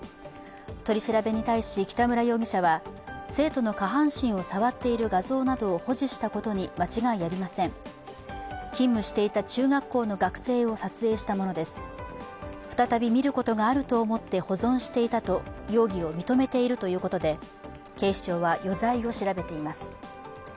取り調べに対し北村容疑者は生徒の下半身を触っている画像などを保持したことに間違いありません、勤務していた中学校の学生を撮影したものです再び見ることがあると思って保存していたと容疑を認めているということで警視庁は余罪を調べています。